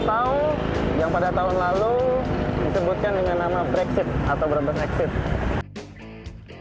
atau yang pada tahun lalu disebutkan dengan nama brexit atau brebes exit